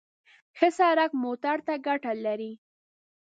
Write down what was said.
ښه سړک موټر ته ګټه لري.